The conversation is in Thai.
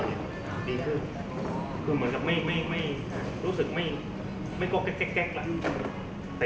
ดีขึ้นคือเหมือนกับไม่รู้สึกไม่โก๊กแล้ว